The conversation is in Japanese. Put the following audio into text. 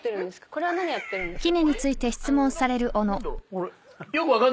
これは何やってるんですか？